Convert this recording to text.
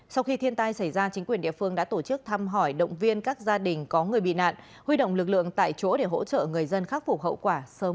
sau khi thiên tai xảy ra chính quyền địa phương đã tổ chức thăm hỏi động viên các gia đình có người bị nạn huy động lực lượng tại chỗ để hỗ trợ người dân khắc phục hậu quả sớm ổn